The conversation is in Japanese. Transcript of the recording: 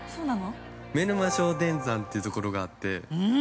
妻沼聖天山っていうところがあって。